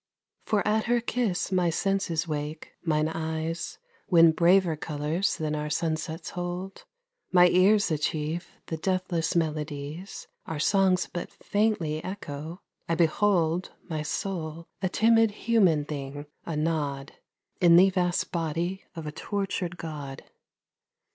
For at her kiss my senses wake, mine eyes Win braver colours than our sunsets hold, My ears achieve the deathless melodies Our songs but faintly echo, I behold My soul, a timid human thing, a nod In the vast body of a tortured god.